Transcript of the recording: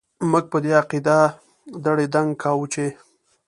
موږ په دې عقيده دړي دنګ کاوو چې ...